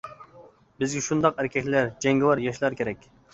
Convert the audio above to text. بىزگە شۇنداق ئەركەكلەر جەڭگىۋار ياشلار كېرەك.